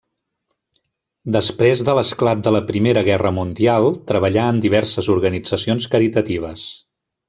Després de l'esclat de la Primera Guerra Mundial treballà en diverses organitzacions caritatives.